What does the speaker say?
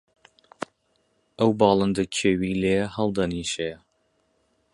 ئەو باڵندە کێویلەیە هەڵدەنیشێ؟